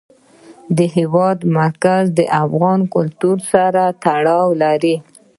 د هېواد مرکز د افغان کلتور سره تړاو لري.